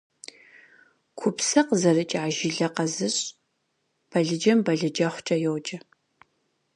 Купсэ къызэрыкӏа, жылэ къэзыщӏ балыджэм балыджэхъукӏэ йоджэ.